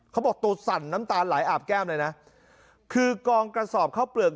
เขาบอกตัวสั่นน้ำตาไหลอาบแก้มเลยนะคือกองกระสอบข้าวเปลือก